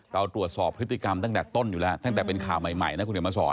เราตรวจสอบพฤติกรรมตั้งแต่ต้นอยู่แล้วตั้งแต่เป็นข่าวใหม่นะคุณเดี๋ยวมาสอน